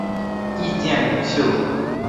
意见领袖。